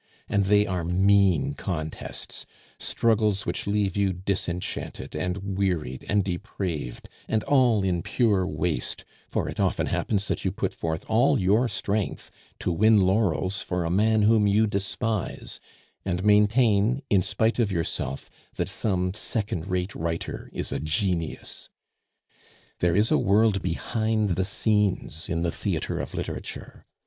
And they are mean contests; struggles which leave you disenchanted, and wearied, and depraved, and all in pure waste; for it often happens that you put forth all your strength to win laurels for a man whom you despise, and maintain, in spite of yourself, that some second rate writer is a genius. "There is a world behind the scenes in the theatre of literature.